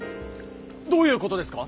どういうことですか？